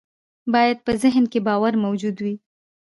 بايد په ذهن کې باور موجود وي.